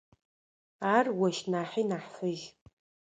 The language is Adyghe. Ар ощ нахьи нахь фыжь.